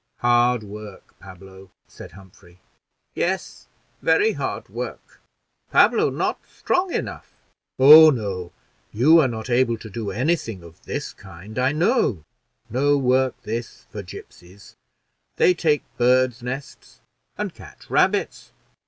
"Hard work, Pablo," said Humphrey. "Yes, very hard work; Pablo not strong enough." "Oh no, you are not able to do any thing of this kind, I know. No work this for gipsies; they take birds' nests and catch rabbits."